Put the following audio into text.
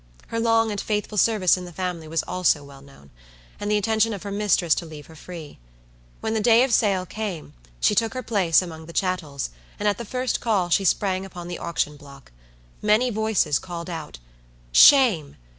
Her long and faithful service in the family was also well known, and the intention of her mistress to leave her free. When the day of sale came, she took her place among the chattels, and at the first call she sprang upon the auction block. Many voices called out, "Shame!